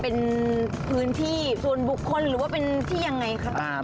เป็นพื้นที่ส่วนบุคคลหรือว่าเป็นที่ยังไงครับ